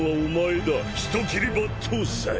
人斬り抜刀斎！